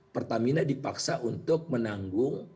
pertamina dipaksa untuk menanggung